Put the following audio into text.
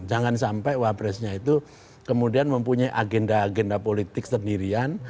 jangan sampai wapresnya itu kemudian mempunyai agenda agenda politik sendirian